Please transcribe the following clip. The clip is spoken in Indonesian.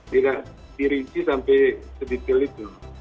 tidak dirinci sampai sedikit